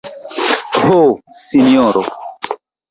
Ho, Sinjoro!